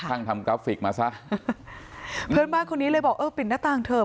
ทำกราฟิกมาซะเพื่อนบ้านคนนี้เลยบอกเออปิดหน้าต่างเถอะ